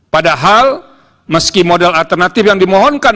padahal meski model alternatif yang dimohonkan